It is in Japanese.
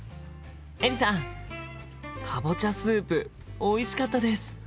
かぼちゃスープおいしかったです。